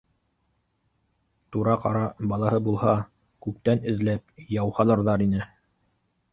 Түрә-ҡара балаһы булһа, күптән эҙләп яу һалырҙар ине